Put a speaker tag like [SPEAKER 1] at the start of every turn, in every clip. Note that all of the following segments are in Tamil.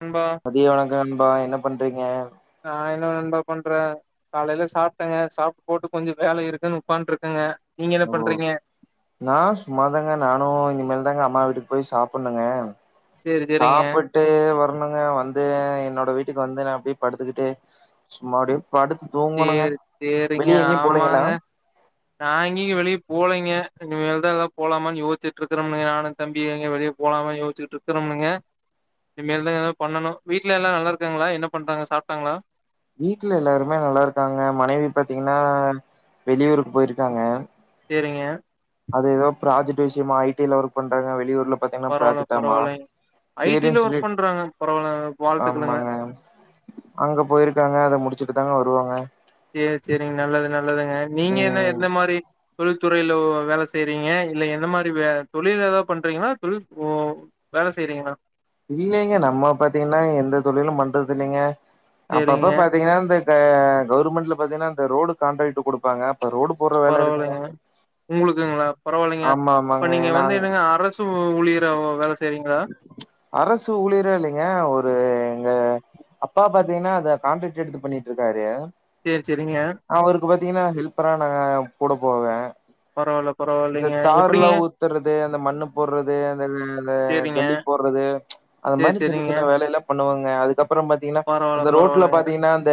[SPEAKER 1] நண்பா
[SPEAKER 2] மதிய வணக்கோ நண்பா என்ன பண்றீங்க
[SPEAKER 1] நா என்ன நண்பா பண்றே காலைல சாப்ட்டங்க சாப்ட்டு போட்டு கொஞ்சோ வேல இருக்குனு உக்கான்ட்ருக்கங்க நீங்க என்ன பண்றீங்க
[SPEAKER 2] நா சும்மாதாங்க நானு இனிமேல் தாங்க அம்மா வீட்டுக்கு போய் சாப்புண்ணுங்க
[SPEAKER 1] சேரி சேரிங்க
[SPEAKER 2] சாப்புட் டு வர்ணுங்க வந்து என்னோட வீட்டுக்கு வந்து நா அப்டே படுத்துக்கிட்டே சும்மா அப்டே படுத் தூங்குணுங்க
[SPEAKER 1] சேரி சேரிங்க
[SPEAKER 2] வெளிய எங்கியு போலிங்களா
[SPEAKER 1] ஆமாங்க நா எங்கியு வெளிய போலிங்க இனிமேல்தா எதா போலாமான் யோச்சிட்ருக்குறமே யானு தம்பி எங்க வெளிய போலாமா யோச்சுட்ருக்கரும்முங்க இனிமேல்தா எதா பண்ணணு வீட்ல எல்லா நல்லாருக்காங்களா என்ன பண்றாங்க சாப்ட்டாங்ளா
[SPEAKER 2] வீட்ல எல்லாருமே நல்லாருக்காங்க மனைவி பாத்தீங்னா வெளியூருக்கு போயிருக்காங்க
[SPEAKER 1] சேரிங்க
[SPEAKER 2] அது எதோ ப்ராஜெக்ட் விஷ்யமா ஐ டி ல ஒர்க் பண்றாங்க வெளியூர்ல பாத்தீங்னா
[SPEAKER 1] பரவால்ல
[SPEAKER 2] ப்ராஜெக்டாமா
[SPEAKER 1] பரவால்லைங்க ஐ டி ல
[SPEAKER 2] சேரின்
[SPEAKER 1] ஒர்க்
[SPEAKER 2] சொல்லிட்
[SPEAKER 1] பண்றாங்க பரவால்ல வாழ்த்துக்களுங்க
[SPEAKER 2] ஆமாங்க அங்க போயிருக்காங்க அத முடிச்சுட்டு தாங்க வருவாங்க
[SPEAKER 1] சேரி சேரிங்க நல்லது நல்லதுங்க நீங்க என்ன
[SPEAKER 2] ம்
[SPEAKER 1] எந்த மாரி தொழில்துறைலோ வேல செய்றீங்க இல்ல எந்தமாரி வே தொழில் எதா பண்றிங்களா தொழில் ஓ வேல செய்றிங்ளா
[SPEAKER 2] இல்லைங்க நம்ம பாத்தீங்னா எந்த தொழிலு பண்றதில்லைங்க
[SPEAKER 1] சேரிங்க
[SPEAKER 2] அப்பப்ப பாத்தீங்னா இந்த ந்த கவர்மெண்ட்ல பாத்தீன்னா அந்த ரோடு காண்ட்ராக்ட் குடுப்பாங்க அப்ப ரோடு போடுற வேல இருக்குங்க
[SPEAKER 1] பரவால்லைங்க உங்களுக்குங்ளா பரவால்லைங்க
[SPEAKER 2] ஆமா
[SPEAKER 1] அப்ப
[SPEAKER 2] ஆமாங்க
[SPEAKER 1] நீங்க
[SPEAKER 2] ஏன்னா
[SPEAKER 1] வந்து என்னங்க அரஸ் சு ஊழியராவு வேல செய்றீங்ளா
[SPEAKER 2] அரசு ஊழியரா இல்லிங்க ஒரு எங்க அப்பா பாத்தீங்னா அத கான்ட்ரக்ட் எடுத்து பண்ணிட்ருக்காரு
[SPEAKER 1] சேர் செரிங்க
[SPEAKER 2] அவருக்கு பாத்தீங்னா ஹெல்பரா நா கூட போவே
[SPEAKER 1] பரவால்ல
[SPEAKER 2] இந்த
[SPEAKER 1] பரவால்லைங்க.
[SPEAKER 2] தார்ல்லா
[SPEAKER 1] எப்டிங்க?
[SPEAKER 2] ஊத்துறது அந்த மண்ணு போர்றது அந்த அது
[SPEAKER 1] சேரிங்க.
[SPEAKER 2] ஜல்லி போர்றது அத
[SPEAKER 1] சேரி
[SPEAKER 2] மாரி சின்ன
[SPEAKER 1] சேரிங்க.
[SPEAKER 2] சின்ன வேலையெல்லா பண்ணுவேங்க அதுக்கப்றோ பாத்தீங்னா
[SPEAKER 1] பரவால்ல
[SPEAKER 2] அந்த ரோட்ல
[SPEAKER 1] பரவால்லங்க.
[SPEAKER 2] பாத்தீங்னா அந்த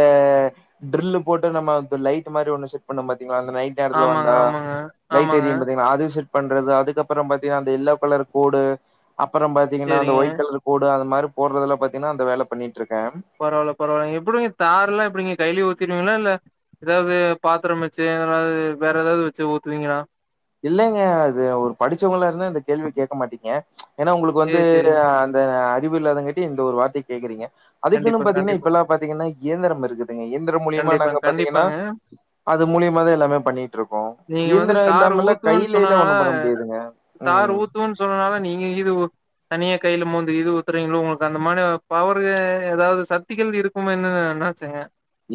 [SPEAKER 2] ட்ரில்லு போட்டு நம்ம க லைட் மாரி ஒன்னு செட் பண்ணோ பாத்தீங்களா அந்த நை நேரத்துல
[SPEAKER 1] ஆமாங்க
[SPEAKER 2] வந்தா
[SPEAKER 1] ஆமாங்க.
[SPEAKER 2] லைட்
[SPEAKER 1] ஆமாங்க.
[SPEAKER 2] எரியு பாத்தீங்லா அது செட் பண்றது அதுக்கப்றோ பாத்தீனா அந்த எல்லோ கலர் கோடு அப்றோ பாத்தீங்னா அந்த
[SPEAKER 1] சேரிங்க.
[SPEAKER 2] ஒயிட் கலர் கோடு அந்த மாரி போட்றதுலா பாத்தீங்னா அந்த வேல பண்ணிட்ருக்கே
[SPEAKER 1] பரவால பரவால எப்டிங்க தார்லா எப்டிங்க கைலே ஊத்திருவீங்ளா இல்ல எதாது பாத்திரம் வச்சு எதாது வேற எதாது வச்சு ஊத்துவிங்களா
[SPEAKER 2] இல்லைங்க அது ஒரு படிச்சவங்களா இருந்தா இந்த கேள்வி கேக்க மாட்டீங்க ஏனா உங்களுக்கு வந்து
[SPEAKER 1] சேரி சேரிங்க
[SPEAKER 2] அந்த அறிவு இல்லாதங்கட்டி இந்த ஒரு வார்த்தைய கேக்குறீங்க அதுக்குன்னு
[SPEAKER 1] கண்டிப்பாங்க
[SPEAKER 2] பாத்தீங்னா
[SPEAKER 1] கண்டிப்பா
[SPEAKER 2] இப்பெல்லா பாத்தீங்னா இயந்திரம் இருக்கு நீங்க இயந்திரம் மூலியமா
[SPEAKER 1] கண்டிப்பாங்க
[SPEAKER 2] நாங்க பாத்தீங்கன்னா
[SPEAKER 1] கண்டிப்பாங்க
[SPEAKER 2] அது மூலியமா தா எல்லாமே பண்ணிட்ருக்கோ
[SPEAKER 1] நீங்க வந்து
[SPEAKER 2] இயந்திரம் இல்
[SPEAKER 1] தார் ஊத்துவன் சொன்னனால தார்
[SPEAKER 2] ம்
[SPEAKER 1] ஊத்துவன் சொன்னனால நீங்க இது தனியா கைல மோந்து இது ஊத்துறீங்களோ உங்களுக்கு அந்த மாரி பவரு எதாவது சக்திகள் இருக் க்குமேன்னு நெனச்சங்க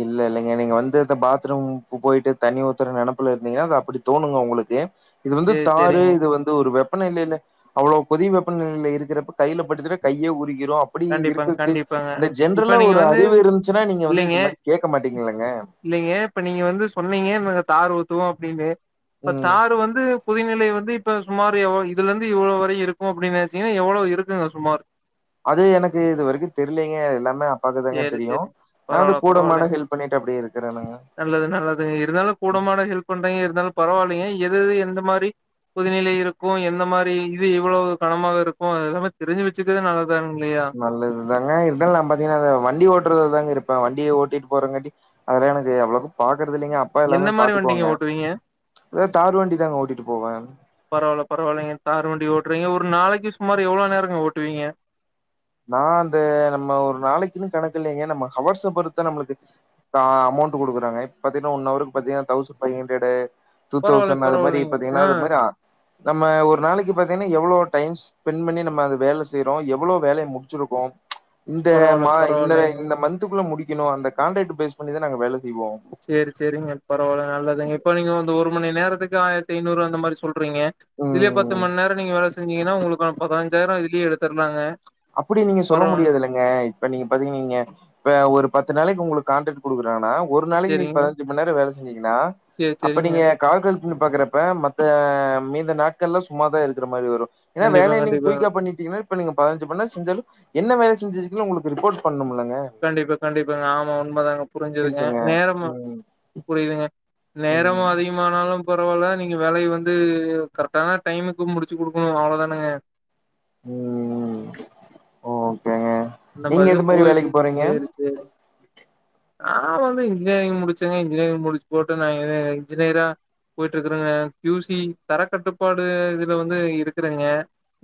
[SPEAKER 2] இல்ல இல்லைங்க நீங்க வந்து அ பாத்ரூம் போயிட்டு தண்ணி ஊத்துற நெனைப்புல இருந்தீங்கன்னா அது அப்டி தோணுங்க உங்களுக்கு இது வந்து
[SPEAKER 1] சேரி
[SPEAKER 2] தாரு
[SPEAKER 1] சேரிங்க
[SPEAKER 2] இது வந் அது ஒரு வெப்பநிலையில அவ்வளோ கொதி வெப்பநிலையில இருக்கிற கையில பட்டுச்சுன்னா கையே உருகிரு அப்ப அப்படி
[SPEAKER 1] கண்டிப்பாங்க
[SPEAKER 2] இருக்கு
[SPEAKER 1] கண்டிப்பாங்க
[SPEAKER 2] இந்த
[SPEAKER 1] இப்ப
[SPEAKER 2] ஜென்ரலா
[SPEAKER 1] நீங்க
[SPEAKER 2] ஒரு
[SPEAKER 1] வந்து
[SPEAKER 2] அறிவு இருந்துச்சுன்னா நீங்க வந்து இது மாரி கேட்க மாட்டிங்களங்க
[SPEAKER 1] இல்லங்க இப்ப நீங்க வந்து சொன்னீங்க நாங்க தார் ஊத்துவோ அப்படின்னு இப்ப
[SPEAKER 2] ம்.
[SPEAKER 1] தார் வந்து கொதிநிலை வந்து இப்போ சுமார் எவ்ளோ இதுல இருந்து இவ்வளோ வரை இருக்கு அப்டி நெனச்சிங்க எவ்வளோ இருக்குங்க சுமார்
[SPEAKER 2] அது எனக்கு இது வரைக்கு தெர்லங்க எல்லாமே பாத்துதாங்க
[SPEAKER 1] சேரி
[SPEAKER 2] தெரியு
[SPEAKER 1] சேரிங்க
[SPEAKER 2] நா வந்து
[SPEAKER 1] பரவால்ல பரவால்லைங்க
[SPEAKER 2] கூடமாட ஹெல்ப் பண்ணிட்டு அப்டியே இருக்குறனுங்க
[SPEAKER 1] நல்லது நல்லதுங்க இருந்தாலு கூடமாட ஹெல்ப் பண்றீங்க இருந்தாலு பரவால்லைங்க எது எது எந்த மாரி புதிநிலை இருக்கு எந்ந மாரி இது இவ்வளவு கணமாக இருக்கு அதவத் தெரிஞ்சு வச்சுக்குரது நல்ல தான் இல்லையா
[SPEAKER 2] நல்லதுதாங்க இருந்தாலு நாம் பாத்தீங்கன்னா அத வண்டி ஓட்டுறதுதாங்க இருப்பே வண்டிய ஓட்டிட்டு போறேங்காட்டி அதெல்லா எனக்கு அவ்வளவு பாக்குறது இல்லெங்கப் அப்பா
[SPEAKER 1] எந்த
[SPEAKER 2] எல்லாமே
[SPEAKER 1] மாரி வண்டிங்க
[SPEAKER 2] பாத்துக்குவாங்க
[SPEAKER 1] ஓட்டுவீங்க
[SPEAKER 2] அதா தார்வண்டி தாங்க ஓட்டிட்டு போவே
[SPEAKER 1] பரவால பரவால்லைங்க தார் வண்டி ஓட்டுறீங்க ஒரு நாளைக்கு சுமார் எவ்ளோ நேரங்க ஓட்டுவீங்க
[SPEAKER 2] நா அந்த நம்ம ஒரு நாளைக்குன்னு கணக்கு இல்லைங்க நம்ம ஹவர்ஸ் பொறுத்தா நம்மளுக்கு ஆ அமௌண்ட் குடுக்குறாங்க இப்ப பாத்தங்கன்னா ஒன் ஹவர்க்கு பாத்தீங்கன்னா தௌசண்ட் பைவ் ஹண்ரடு டூ
[SPEAKER 1] பரவால்ல
[SPEAKER 2] தௌசண்ட் அது மாதிரி
[SPEAKER 1] பரவால்லைங்க ஆ
[SPEAKER 2] பாத்தீங்கன்னா அது மாதிரி நம்ம ஒரு நாளைக்கு பாத்தீங்கன்னா எவ்ளோ டைம் ஸ்பெண்ட் பண்ணி நம்ம அத வேல செய்யிறோ எவ்வளவு வேல முடிச்சிருக்கோ ம்ச் இந்த
[SPEAKER 1] பரவால்ல
[SPEAKER 2] மா இந்த
[SPEAKER 1] பரவால்லைங்க
[SPEAKER 2] இந்த மன்துக்குள்ள முடிக்கணு அந்த கான்டரேட்டு பேஸ் பண்ணிதா நாங்க வேல செய்வோ
[SPEAKER 1] சேரி சேரிங்க பரவால நல்லதுங்க இப்ப நீங்க வந்து ஒரு மணி நேரத்துக்கு ஆயிரத்து ஐநூறுவா அந்த மாரி சொன் சொல்றீங்க இதுலயே பத்து
[SPEAKER 2] ம்
[SPEAKER 1] மணி நேரம் நீங்க வேலை செஞ்சீங்கன்னா உங்களுக்கு பதினஞ்சாயிரோ இதுலேயே எடுத்துர்லாங்க
[SPEAKER 2] அப்படி நீங்க சொல்ல
[SPEAKER 1] பரவால்ல
[SPEAKER 2] முடியாதுல்ல ங்க இப்ப நீங்க பாத்தீங்கீங்க இப்ப ஒரு பத்து நாளைக்கு உங்களுக்கு காண்ட்ராக்ட் குடுக்குறனா ஒரு நாளைக்கு நீங்க
[SPEAKER 1] சேரிங்க
[SPEAKER 2] பதினஞ்சு மணி நேரோ வேல செஞ்சீங்கன்னா
[SPEAKER 1] சேரி
[SPEAKER 2] அப்ப
[SPEAKER 1] சேரிங்க
[SPEAKER 2] நீங்க கால்குலேட் பண்ணி பாக்குறப்ப மத்த மீத இந்த நாட்கள்ல சும்மாதா இருக்கிற மாரி வரு ஏன்ன
[SPEAKER 1] கண்டிப்பா
[SPEAKER 2] வேலைய நீங்க
[SPEAKER 1] கண்டிப்பாங்க
[SPEAKER 2] குயிக்கா பண்ணிட்டீங்கன்னா இப்ப நீங்க பதினை பண்ண செஞ்சாலுஎன்ன வேல செஞ்சிருக்கனு உங்களுக்கு ரிப்போர்ட் பண்ணனு இல்லங்க
[SPEAKER 1] கண்டிப்பா கண்டிப்பாங்க ஆமா உண்மைதாங்க புரிஞ்சதுங்க
[SPEAKER 2] புரிச்சுங்க
[SPEAKER 1] நேரம
[SPEAKER 2] ம்
[SPEAKER 1] புரியுதுங்க நேரமு
[SPEAKER 2] ம்
[SPEAKER 1] அதிகமானாலு பரவால்ல நீங்க வேலய வந்து கரெக்டான டைமுக்கு முடிச்சு கொடுக்கணு அவ்வளோதானங்க
[SPEAKER 2] உம் ஓக்கேங்க
[SPEAKER 1] இந்த மாதிரி தா போயிட்டு இருக்கு சேரி சேரி நா அப்போ வந்து இன்ஜினியரிங் முடிச்சங்க இன்ஜினியரிங் முடிச்சு போட்டு நா இன்ஜினியரா போயிட்டு இருக்குறங்க கியூசி தர கட்டுப்பாடு இதுல வந்து இருக்குறங்க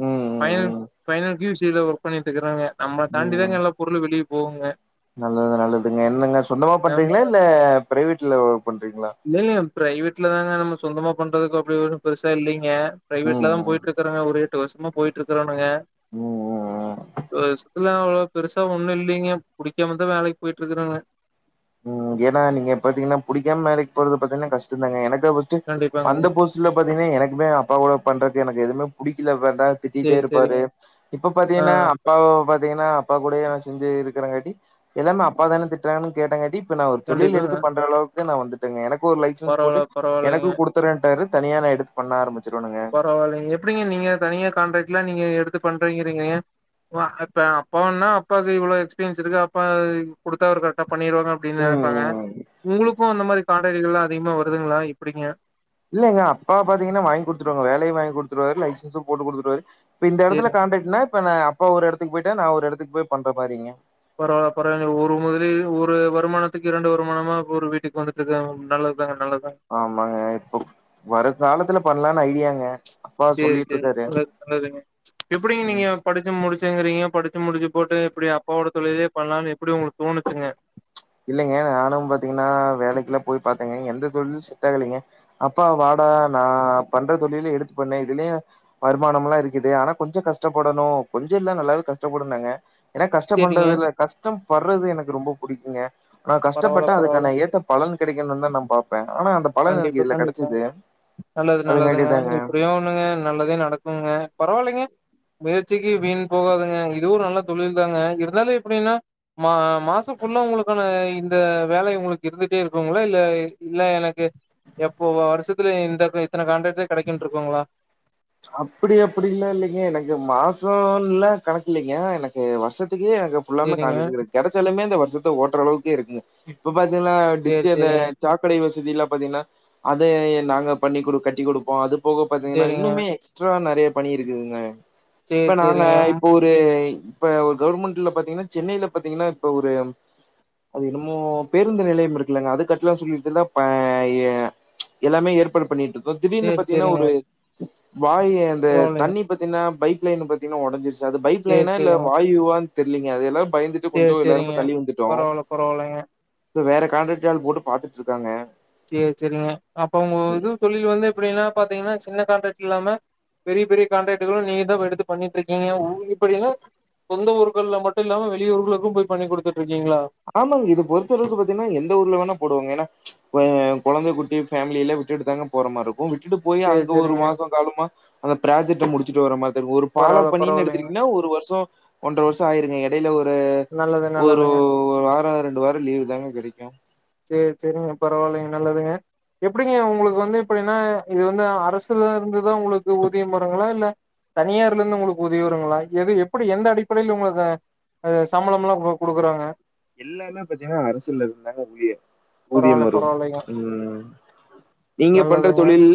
[SPEAKER 2] ம் ம் ம்
[SPEAKER 1] பைனல் கி யூ சி ல ஒர்க் பண்ணிட்டு இருக்குறங்க நம்மள
[SPEAKER 2] ம்
[SPEAKER 1] தாண்டிதாங்க எல்லா பொருளு வெளியில போகுங்க
[SPEAKER 2] நல்லது நல்லதுங்க என்னங்க சொந்தமா
[SPEAKER 1] அ.
[SPEAKER 2] பண்றீங்களா இல்ல பிரைவேட்ல ஒர்க் பண்றீங்களா
[SPEAKER 1] இல்ல இல்லங்க பிரைவேட்ல தாங்க நம்ம சொந்தமா பண்றதுக்கு அப்படி ஒன்னு பெருசா இல்லைங்க
[SPEAKER 2] ம்
[SPEAKER 1] பிரைவேட்ல தா
[SPEAKER 2] ம்
[SPEAKER 1] போயிட்டு இருக்கறாங்க ஒரு எட்டு வருஷமா போயிட்டு இருக்கறானுங்க
[SPEAKER 2] ம் ம்
[SPEAKER 1] இதுல அவ்வளோ பெருசா ஒண்ணு இல்லைங்க புடிக்காமதா வேலைக்கு போயிட்டு இருக்குறங்க
[SPEAKER 2] உம் ஏன்னா நீங்க பாத்தீங்கன்னா பிடிக்காம வே லக்கு போறது பாத்தீங்கன்னா கஷ்டோ தாங்க எனக்கு ஃபர்ஸ்ட்டு
[SPEAKER 1] கண்டிப்பாங்க
[SPEAKER 2] அந்த போஸ்ட் ஆக்சுவலா பாத்தீங்கன்னா எனக்குமே அப்பாட பண்றதுக்கு எதுமே பிடிக்கல வேண்ட திட்டிட்டே
[SPEAKER 1] சரி
[SPEAKER 2] இருப்பாரு
[SPEAKER 1] சரிங்க
[SPEAKER 2] இப்ப
[SPEAKER 1] ஆ
[SPEAKER 2] பாத்தீங்கன்னா அப்பா பாத்தீங்கன்னா அப்பா கூட ந செஞ்சு இருக்கங்காட்டி எல்லாமே அப்பா தானே திட்டுறாங்கன்னு கேட்டங்காட்டி இப்ப நா ஒரு தொழில
[SPEAKER 1] கண்டிப்பாங்க
[SPEAKER 2] எடுத்து பண்ற அளவுக்கு நா வந்துட்டேங்க எனக்கு ஒரு லைசன்ஸ் போட்டு
[SPEAKER 1] பரவால்ல
[SPEAKER 2] எனக்கு
[SPEAKER 1] பரவால்லைங்க
[SPEAKER 2] கொடுத்த குடுத்தர்ரேன்டாரு தனியா நா எடுத்து பண்ண ஆரம்பிச்சிருவனுங்க
[SPEAKER 1] பரவாலைங்க எப்படிங்க நீங்க தனியா கான்ட்ராக்ட் எல்லா எடுத்து நீங்க எடுத்து பண்றீங்கிறீங்க ப்ப இப்ப அப்பானா அப்பாவுக்கு இவ்ளோ எக்ஸ்பீரியன்ஸ் இருக்கு அப்பா குடுத்தா இருக்கார் ட பண்ணிருவாங்க அப்டின்னு நினைப்பாங்க
[SPEAKER 2] ம்
[SPEAKER 1] உங்களுக்கும் அந்த மாரி பாடவிகல்லாம் அதிகமா வருதுங்களா எப்டிங்க
[SPEAKER 2] இல்லங்க அப்பா பாத்தீங்கன்னா வாங்கி கொடுத்துருவாங்க வேலையும் வாங்கி குடுத்துருவாரு லைசன்ஸும் போட்டுக் குடுத்துருவாரு இப்ப இந்த
[SPEAKER 1] சரிங்க
[SPEAKER 2] இடத்துல கான்டாராக்ட்னா இப்ப ந அப்பா ஒரு இடத்துக்கு போயிட்டா நான் ஒரு இடத்துக்கு போய் பண்ற மாறீங்க
[SPEAKER 1] பரவாய் பரவாய் ஒரு முதலி ஒரு வருமானத்துக்கு இரண்டு வருமானமா ஒரு வீட்டுக்கு வந்து இதான் நல்லதுதா நல்லதான்
[SPEAKER 2] ஆமாங்க இப்ப வர காலத்துல பண்ணலான்னு ஐடியாங்க அப்பா
[SPEAKER 1] சேரி சேரி
[SPEAKER 2] சொல்லிட்ருக்காரு
[SPEAKER 1] நல்லது நல்லதுங்க எப்டிங்க
[SPEAKER 2] ம்
[SPEAKER 1] நீங்க படிச்சு முடிச்சுங்கிறீங்க படிச்சு முடிச்சு போட்டு எப்டி அப்பாவோட தொழிலே பண்ணலாம்னு எப்டி உங்களுக்கு தோணுச்சுங்க
[SPEAKER 2] இல்லைங்க நானும் பாத்தீங்கன்னா வேலைக்குல்லாம் போய் பாத்தேங்க எந்த தொழிலு செட் ஆகலைங்க அப்பா வாடா நான் பண்ற தொழில எடுத்து பண்ணு இதுலயும் வருமானம்லாம் இருக்குது ஆனா கொஞ்சோ கஷ்டப்படணும் கொஞ்சோ இல்ல நல்லாவே கஷ்டப்படுனாங்க ஏன்னா கஷ்ட
[SPEAKER 1] சரிங்க.
[SPEAKER 2] பண்றது இல் கஷ்டம் படுறது எனக்கு ரொம்ப புடிக்குங்க ஆனா
[SPEAKER 1] பரவால்ல
[SPEAKER 2] கஷ்டப்பட்டா
[SPEAKER 1] பரவால்ல.
[SPEAKER 2] அதுக்கான ஏத்த பலன் கிடைக்கணுந்தா நான் பாப்பேன் ஆனா அந்
[SPEAKER 1] கண்டிப்பா கண்டிப்பா நல்லது நல்லதுங்க
[SPEAKER 2] அதுங்காட்டிதாங்க
[SPEAKER 1] இப்டியும் பங்க நல்லதே நடக்குங்க பரவாயில்லைங்க முயற்சிக்கு வீண் போகாதுங்க இதுவும் நல்ல தொழில் தாங்க இருந்தாலும் எப்டின்னா மா மாசம் புல்ல உங்களுக்கான இந்த வேலை உங்களுக்கு இருந்துட்டே இருக்குங்களா இல்ல இல்ல எனக்கு எப்போ வருஷத்துல இந்த இத்தனை கான்ட்ரக்ட்டு கிடைக்கன்ட்டு இருக்கோங்களா
[SPEAKER 2] அப்டி அப்டி இல்ல இல்லைங்க எனக்கு மாசம்ல்ல கணக்கு இல்லலைங்க எனக்கு வருஷத்துக்கே எனக்கு ஃபுல்லாம
[SPEAKER 1] சேரிங்க
[SPEAKER 2] காண்ட்ரக்ட்ன்றது கிடைச்சாலமே இந்த வருஷத்தை ஓட்டுற அளவுக்கு இருக்குங்க இப்ப பாத்தீங்கன்னா
[SPEAKER 1] சேரி
[SPEAKER 2] டிச்சே அந்த
[SPEAKER 1] சேரிங்க
[SPEAKER 2] சாக்கடை வசதி எல்லாம் பாத்தீங்கன்னா அதை நாங்க பண்ணிடு கட்டி குடுப்போம் அது போக பாத்தீங்கன்னா
[SPEAKER 1] சேரிங்க
[SPEAKER 2] எக்ஸ்ட்ரா நறைய பணி இருக்குதுங்க இப்ப
[SPEAKER 1] சேரி
[SPEAKER 2] நாங்க
[SPEAKER 1] சேரிங்க ம்
[SPEAKER 2] இப்போ ஒரு ஒரு இப்ப ஒரு கவர்மெண்ட்ல பாத்தீங்கன்னா சென்னையில பாத்தீங்கன்னா இப்ப ஒரு அது என்னமோ பேருந்து நிலையம் இருக்குல்லங்க அது கட்டலாம் சொல்லிட்டு தான் ப எ எல்லாமே ஏற்பாடு பண்ணிட்டு இருக்கோம் திடீர்னு
[SPEAKER 1] சேரி
[SPEAKER 2] பாத்தீங்கன்னா
[SPEAKER 1] சேரிங்க
[SPEAKER 2] ஒரு வாயு அந்த
[SPEAKER 1] பரவாயில்லைங்க
[SPEAKER 2] தண்ணி பாத்தீங்கன்னா பைப் லைன் பாத்தீங்கன்னா உடைஞ்சிருச்சு அது
[SPEAKER 1] சேரி
[SPEAKER 2] பைப்லைனா இல்ல
[SPEAKER 1] சேரிங்க
[SPEAKER 2] வாயுவா தெரியலீங்க அது எல்லாம் பயந்துட்டு
[SPEAKER 1] சேரி
[SPEAKER 2] கொஞ்சோ
[SPEAKER 1] சேரிங்க
[SPEAKER 2] எல்லாருமே தள்ளி வந்துட்டோம்
[SPEAKER 1] பரவால்ல பரவால்லைங்க
[SPEAKER 2] இப்ப வேற கான்ட்ராக்ட ஆல் போட்டு பாத்துட்டு இருக்காங்க
[SPEAKER 1] சேர் சேரிங்க அப்ப உங்க இது தொழில் வந்து எப்டின்னா பாத்தீங்கன்னா சின்ன கான்ட்ராக்ட் இல்லாம பெரிய பெரிய காண்ட்ராக்டுகளும் நீங்க தான் எடுத்து பண்ணிட்டு இருக்கீங்க ஊயி அப்டின்னா சொந்த ஊர்கள்ல மட்டும் இல்லாம வெளிய ஊர்களுக்கும் போய் பண்ணி குடுத்துட்டு இருக்கீங்களா
[SPEAKER 2] ஆமாங்க இத பொறுத்தளவுக்கு பாத்தீங்கன்னா எந்த ஊர்ல வேணா போடுவோங்க ஏன்னா கொ கொழந்தை குட்டி ஃபேமிலிய எல்லாம் விட்டு தாங்க போற மார் இருக்கும் விட்டுட்டு போய்
[SPEAKER 1] சேரி
[SPEAKER 2] அங்க ஒரு
[SPEAKER 1] சேரிங்க
[SPEAKER 2] மாசம் காலமா அந்த பிர்ராஜெக்டை முடிச்சுட்டு வர மார் ஒரு பால
[SPEAKER 1] பரவால்ல
[SPEAKER 2] பணிணு
[SPEAKER 1] பரவால்லைங்க
[SPEAKER 2] எடுத்தக்கீங்கன்னா ஒரு வருஷம் ஒன்ற வரு ஷம் ஆயிருங்க இடையில ஒரு
[SPEAKER 1] நல்லது
[SPEAKER 2] ஒரு
[SPEAKER 1] நல்லதுங்க
[SPEAKER 2] ஒரு வாரம் ரெண்டு வாரம் லீவ் தாங்க கிடைக்கும்
[SPEAKER 1] சேரி சேரிங்க பரவாயில்லைங்க நல்லதுங்க எப்டிங்க உங்களுக்கு வந்து எப்டின்னா இது வந்து அரசு அரசுல இருந்துதான் உங்களுக்கு ஊதிய வருங்களா இல்ல தனியார்ல இருந்து உங்களுக்கு ஊதியம் வருங்களா எது எப்டி எந்த அடிப்படையில உங்களுக்கு அது சம்பளம்ல்லாம் குடுக்குறாங்க
[SPEAKER 2] எல்லாமே பாத்தீங்கன்னா அரசுல இருந்தாங்க ஊழியர்
[SPEAKER 1] பரவால்ல
[SPEAKER 2] ஊதியம் வரும்
[SPEAKER 1] பரவால்லைங்க
[SPEAKER 2] ம் நீங்க பண்ற
[SPEAKER 1] நல்லதுங்க
[SPEAKER 2] தொழில்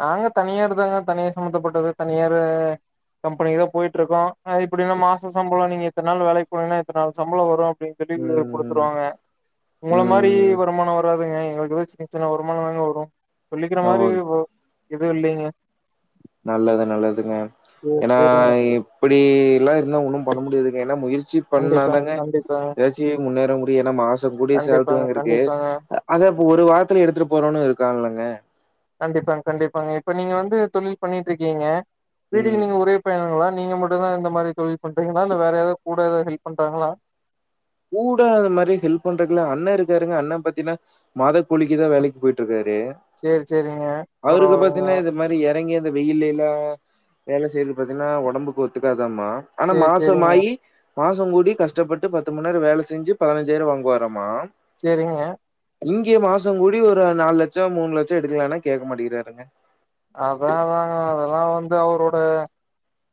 [SPEAKER 1] நாங்க தனியார் தாங்க தனியார் சம்ந்தப்பட்டது தனியார் கம்பெனி தான் போய்ட்டு இருக்கோம் அ இப்டின்னா மாச சம்பளம் நீங்க இத்தன நாள் வேலைக்கு போனீங்கன்னா எத்தனை நாள் சம்பளம் வரும் அப்டின்ட்டு சொல்லி
[SPEAKER 2] ம்
[SPEAKER 1] குடுத்துருவாங்க உங்கள மாரி
[SPEAKER 2] ம்
[SPEAKER 1] வருமானம் வராதுங்க எங்களுக்கு ஏதோ சின்ன சின்ன வருமானம் தாங்க வரு சொல்லிக்கிற
[SPEAKER 2] ஓ
[SPEAKER 1] மாரி வ எதுவு இல்லைங்க
[SPEAKER 2] நல்லது நல்லதுங்க
[SPEAKER 1] சேரி
[SPEAKER 2] ஏன்னா
[SPEAKER 1] சேரிங்க
[SPEAKER 2] இப் இப்புடியெல்லா இருந்தா ஒன்னு பண்ண முடியாதுங்க ஏன்னா முயற்சி
[SPEAKER 1] கண்டிப்பாங்க,
[SPEAKER 2] பண்ணாதாங்க
[SPEAKER 1] கண்டிப்பாங்க,
[SPEAKER 2] எதாசி முன்னேற முடியு என்னா மாசோ கூடிய சேலரி
[SPEAKER 1] கண்டிப்பாங்க,
[SPEAKER 2] அங்க இருக்கு
[SPEAKER 1] கண்டிப்பாங்க,
[SPEAKER 2] அ அத இப்போ ஒரு வாரத்துக்கு எடுத்துட்டு போறவன்னு இருக்காங்கல்லங்க
[SPEAKER 1] கண்டிப்பாங்க கண்டிப்பாங்க இப்ப நீங்க வந்து தொழில் பண்ணிட்டு இருக்கீங்க வீட்டுக்கு
[SPEAKER 2] ம்
[SPEAKER 1] நீங்க ஒரே பையனுங்ளா நீங்க மட் டு தா இந்த மாரி தொழில் பண்றீங்ளா இல்ல வேற யாராது கூட எதா ஹெல்ப் பண்றாங்ளா
[SPEAKER 2] கூட அந்த மாரி ஹெல்ப் பண்றக்குல்ல அண்ணே இருக்காருங்க அண்ணே பாத்தீங்கன்னா மாதக்கூலிக்குதா வேலைக்கு போயிட்டு இருக்காரு
[SPEAKER 1] சரி, சரிங்க.
[SPEAKER 2] அவருக்கு
[SPEAKER 1] பரவாயில்லங்க.
[SPEAKER 2] பாத்தீன்னா இது மாரி எறங்கி இந்த வெயிலயெல்லா வேல செய்றது பாத்தீங்கன்னா ஓடம்புக்கு ஒத்துக்காதாமா ஆனா
[SPEAKER 1] சரி,
[SPEAKER 2] மாசம்
[SPEAKER 1] சரிங்க,
[SPEAKER 2] ஆயி மாசம் கூடி கஷ்டப்பட்டு பத் பத்து மணிநேரோ வேல செஞ்சு பதினஞ்சாயிரம் வாங்கு வாராமா
[SPEAKER 1] சேரிங்க
[SPEAKER 2] இங்கே மாசங் கூடி ஒரு நாலு லட்சம் மூணு லட்சோ எடுக்கலானா கேட்க மாட்டிக்கிறாருங்க
[SPEAKER 1] அதா அதா தாங்க அதெல்லா வந்து அவரோட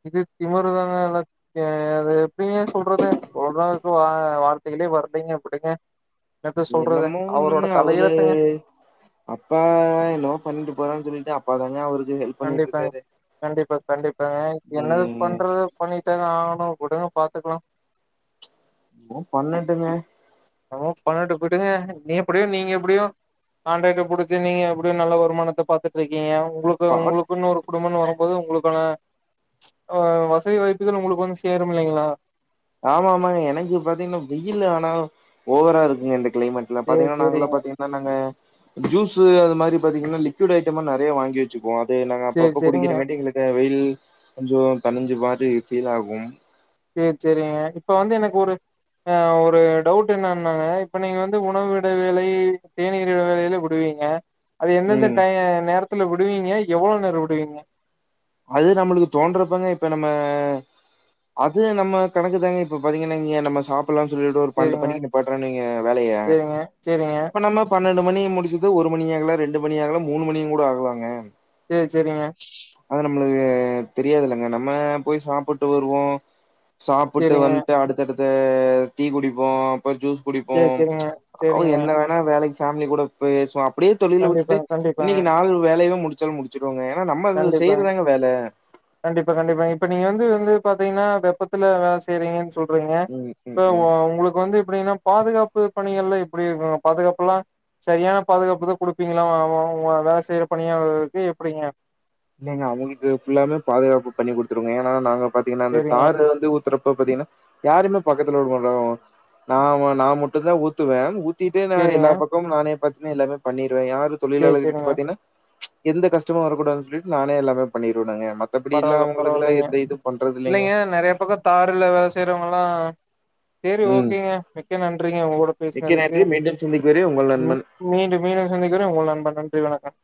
[SPEAKER 1] இது திமரு தாங்க இல்ல ஏ அது எப்டி சொல்றது சொல்றதுக்கு வா வார்த்தைகளே வர்லிங்க அப்டிங்க என்னத்த சொல்றது
[SPEAKER 2] என்னமோ
[SPEAKER 1] அவரோட
[SPEAKER 2] ஒண்ணுங்க
[SPEAKER 1] தலை
[SPEAKER 2] அவரு
[SPEAKER 1] ஏழுத்துங்க
[SPEAKER 2] அப்பா என்னவோ பண்ணிட்டு போறான் சொல்லிட்டு அப்பா தாங்க அவருக்கு ஹெல்
[SPEAKER 1] கண்டிப்பாங்க கண்டிப்பா கண்டிப்பாங்க என்னது
[SPEAKER 2] ம்
[SPEAKER 1] பண்றது பண்ணி தானை ஆவணு உடுங்க பாத்துக்லா
[SPEAKER 2] என்னமோ பண்ணட்டுங்க
[SPEAKER 1] என்னமோ பண்ணட்டு விடுங்க நீ எப்டியோ நீங்க எப்டியோ காண்ட்ரட்டை புடிச்சு நீங்க எப்டியு நல்ல வருமானத்த பாத்துட்டிருக்கீங்க உங்களுக்கு
[SPEAKER 2] பாத்
[SPEAKER 1] உங்களுக்குன்னு ஒரு குடும்பம்னு வரும்போது உங்களுக்கான அ வசதி வாய்ப்புகள் உங்களுக்கு வந்து சேரும் இல்லைங்ளா
[SPEAKER 2] ஆமா ஆமா எனக்கு பாத்தீங்கன்னா வெயில் ஆனா ஓவரா இருக்குங்க இந்த கிளைமேட் எங்கல
[SPEAKER 1] சேரி
[SPEAKER 2] பாத்தீங்கன்னா நாங்கள்லா
[SPEAKER 1] சேரிங்க
[SPEAKER 2] பாத்தீங்கான்னா நாங்க ஜூஸ்சு அது மாரி பாத்தீங்கன்னா லிக்விட் ஐட்டமா நறைய வாங்கி வெ வெச்சிக்குவோ அதே நாங்க
[SPEAKER 1] சேரி
[SPEAKER 2] அப்பப்ப
[SPEAKER 1] சேரிங்க
[SPEAKER 2] குடிக்கிறங்காட்டி எங்களுக்கு வெயில் கொஞ்சோ தனிஞ்ச மாரி ஃபீல் ஆகும்
[SPEAKER 1] சேர் சேரிங்க இப்ப வந்து எனக்கு ஒரு அ ஒரு டவுட் என்னனாங்க இப்ப நீங்க வந்து உணவு இடைவேலை தேநீர் இடைவேலை எதுல விடுவீங்க க அது எந்தெந்த
[SPEAKER 2] ம்
[SPEAKER 1] டை நேரத்துல விடுவீங்க எவ்ளோ நேரோ விடுவீங்க
[SPEAKER 2] அது நம்மளுக்கு தோன்றப்பங்க இப்ப நம்ம அது நம்ம கணக்கு தாங்க இப்ப பாத்தீங்கன்னா இங்க நம்ம சாப் சாப்புல்லா சொல்லிட்டு ஒரு பன்னெண்டு
[SPEAKER 1] சேரிங்க
[SPEAKER 2] மணிக்கு நிப்பாட்டுறோன்னு வெயிங்க வேலைய
[SPEAKER 1] சேரிங்க சேரிங்க
[SPEAKER 2] அப்ப நம்ம பன்னெண்டு மணி முடிச்சது ஒரு மணி ஆகலா ரெண்டு மணி ஆகலா மூணு மணியும் கூட ஆகலாங்க
[SPEAKER 1] சேரி சேரிங்க
[SPEAKER 2] அது நம்மளுக்கு தெரியாதுலங்க நம்ம போய் சாப்புட்டு வருவோ சாப்புட்டு
[SPEAKER 1] சேரிங்க
[SPEAKER 2] வந்துட்டு அடுத்தடுத்து டீ குடிப்போ அப்றோ ஜூஸ்
[SPEAKER 1] சேரி
[SPEAKER 2] குடிப்போம்
[SPEAKER 1] சேரிங்க
[SPEAKER 2] அது
[SPEAKER 1] சேரிங்க
[SPEAKER 2] என்ன வேணா வேலைக்கு ஃபேமிலி கூட பேசுவோ அப்டியே தொழில விட்டுட்டு
[SPEAKER 1] கண்டிப்பாங்க கண்டிப்பாங்க
[SPEAKER 2] இன்னிக்கி நால் வேலையவே முடிச்சாலு முடிச் சிருவோங்க ஏன்னா நம்ம இது
[SPEAKER 1] கண்டிப்பாங்க
[SPEAKER 2] செய்யறதுதாங்க வேல
[SPEAKER 1] கண்டிப்பா கண்டிப்பாங்க இப்ப நீங்க வந்து வந்து பாத்தீங்கன்னா வெப்பத்துல வேல செய்றீங்கன் சொல்றிங்க
[SPEAKER 2] ம்
[SPEAKER 1] இப்ப
[SPEAKER 2] ம் ம்
[SPEAKER 1] உங்களுக்கு வந்து அப்டின்னா பாதுகாப்பு பணிகள்லா எப்டி இருக்கு பாதுகாப்புல்லா சரியான பாதுகாப்பு தா குடுப்பீங்ளா உ உ உங்க வேல செய்ற பணியாலர்களுக்கு எப்டிங்க
[SPEAKER 2] இல்லைங்க அவங்கிட்ட புல்லாமே பாதுகாப்பு பண்ணி குடுத்துருங்க ஏன்னா நாங்க பாத்தீங்கன்னா அந்த
[SPEAKER 1] சேரிங்க
[SPEAKER 2] தாரு வந்து ஊத் போட்றப்ப பாத்தீங்கன்னா யாருமே பக்கத்துல வரமாட்டாங்கோ நா நா மட்டுந்தா ஊத்துவே ஊத் தீட்டே நா
[SPEAKER 1] சேரிங்க.
[SPEAKER 2] எல்லா பக்கமும் நானே பாத்தீங்கன்னா எல்லாமே பண்ணிடுவே யாரு
[SPEAKER 1] சேரி
[SPEAKER 2] தொழிலாளர்களுக்கு
[SPEAKER 1] சேரிங்க.
[SPEAKER 2] பாத்தீங்கன்னா எந்த கஷ்டமும் வர கூடாதுன்னு சொல்லிட்டு நானே எல்லாமே பண்ணிருவேனுங்க மத்தபடில்லா
[SPEAKER 1] பரவால்ல
[SPEAKER 2] அவங்களுக்குல்லா
[SPEAKER 1] பரவால்லைங்க
[SPEAKER 2] எந்த இது பண்றது இல்லைங்க
[SPEAKER 1] இல்லேங்கே நெறைய பக்கத் தாருல வேல செய்றவங்கல்லாம் சேரி
[SPEAKER 2] ம்
[SPEAKER 1] ஓகேங்க மிக்க நன்றிங்க உங்களோட பே
[SPEAKER 2] மிக்க நன்றி மீண்டும் சந்திக்கும் வரை உங்கள் நண்பன்
[SPEAKER 1] மீண்டும் மீண்டும் சந்திக்கிற வரை உங்கள் நண்பன் நன்றி வணக்கம்